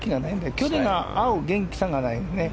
距離に合う元気さがない。